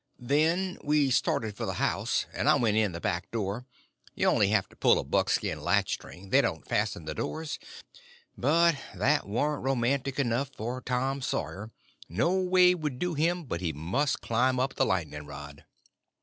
Then we started for the house, and I went in the back door—you only have to pull a buckskin latch string, they don't fasten the doors—but that warn't romantical enough for Tom Sawyer; no way would do him but he must climb up the lightning rod.